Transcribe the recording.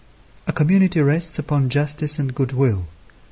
A community rests upon justice and good will.